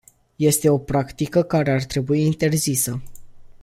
Este o practică care ar trebui interzisă.